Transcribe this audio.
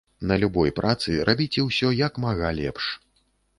На любой працы, рабіце ўсё, як мага лепш.